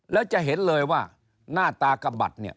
แล้วจะเห็นเลยว่าหน้าตากับบัตร